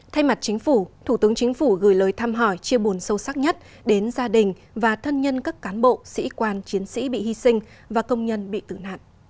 thay mặt chính phủ thủ tướng chính phủ gửi lời thăm hỏi chia buồn sâu sắc nhất đến gia đình và thân nhân các cán bộ sĩ quan chiến sĩ bị hy sinh và công nhân bị tử nạn